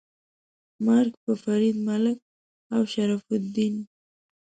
مرګ په فرید ملک او شرف الدین. 🤨